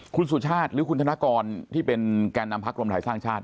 คุณสุชาติหรือคุณธนกรที่เป็นแก่นำพักรวมไทยสร้างชาติ